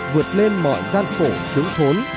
vượt lên mọi gian phổ tướng thốn